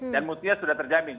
dan mutunya sudah terjamin